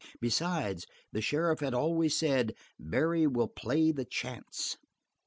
Besides, the sheriff had always said: "Barry will play the chance!"